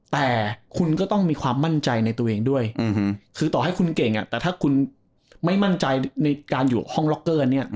แต่คุณก็ต้องมีความมั่นใจในตัวเองด้วยคือต่อให้คุณเก่งแต่ถ้าคุณไม่มั่นใจในการอยู่ห้องล็อกเกอร์เนี่ย